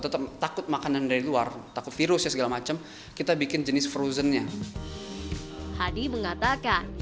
tetap takut makanan dari luar takut virus segala macem kita bikin jenis frozen nya hadi mengatakan